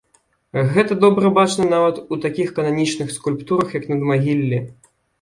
Гэта добра бачна нават у такіх кананічных скульптурах, як надмагіллі.